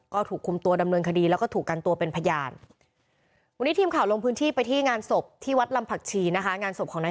ก็ดำเนินคดีแล้วก็ถูกกันโตเป็นพยาน